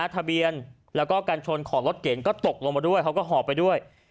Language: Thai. ทะเบียนแล้วก็การชนของรถเก๋งก็ตกลงมาด้วยเขาก็หอบไปด้วย